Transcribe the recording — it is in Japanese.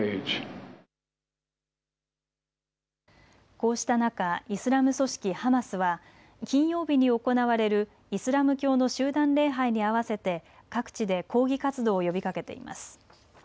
こうした中、イスラム組織ハマスは金曜日に行われるイスラム教の集団礼拝に合わせて各地で抗議活動を呼びかけています。